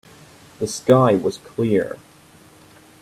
The sky was clear.